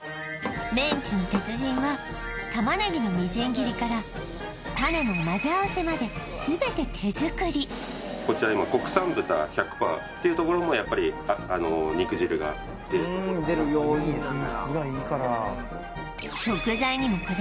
メンチの鉄人はタマネギのみじん切りからタネの混ぜ合わせまで全て手作りこちらっていうところもやっぱりあのうん出る要因なんだ